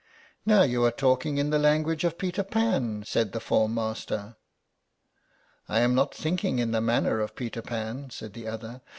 "Now you are talking in the language of Peter Pan," said the form master. "I am not thinking in the manner of Peter Pan," said the other.